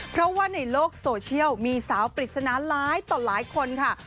เพราะว่าในโลกโซเชียลมีสาวปริศนาร้ายต่อหลายคนค่ะ